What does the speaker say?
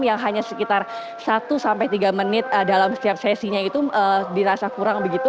yang hanya sekitar satu sampai tiga menit dalam setiap sesinya itu dirasa kurang begitu